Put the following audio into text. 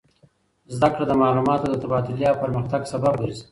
زده کړه د معلوماتو د تبادلې او پرمختګ سبب ګرځي.